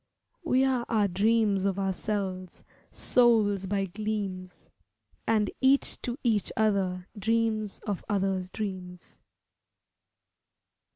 We are our dreams of ourselves, souls by gleams, And each to each other dreams of others' dreams.